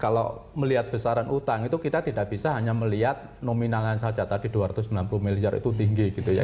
kalau melihat besaran utang itu kita tidak bisa hanya melihat nominalnya saja tadi dua ratus sembilan puluh miliar itu tinggi gitu ya